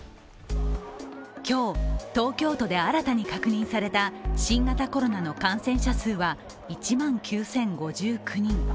今日、東京都で新たに確認された新型コロナの感染者数は１万９０５９人。